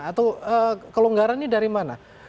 atau kelonggaran ini dari mana